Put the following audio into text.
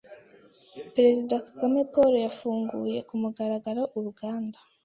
Perezida Kagame Paul yafunguye ku mugaragaro uruganda